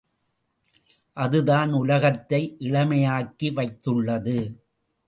அதுதான் உலகத்தை இளமையாக்கி வைத்துள்ளது.